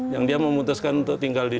yang dia memutuskan untuk tinggal di